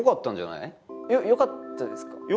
いやよかったですか？